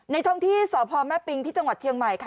ท้องที่สพแม่ปิงที่จังหวัดเชียงใหม่ค่ะ